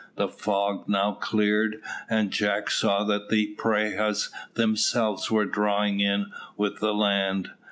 The fog now cleared, and Jack saw that the prahus themselves were drawing in with the land.